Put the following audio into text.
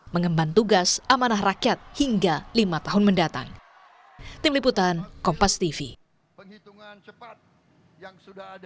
mengemban tugas amanah rakyat hingga lima tahun mendatang